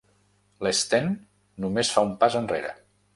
L'Sten només fa un pas enrere.